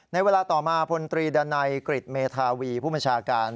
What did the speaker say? ในเวลาต่อมาพลตรีดันัยกริจเมธาวีผู้บัญชาการ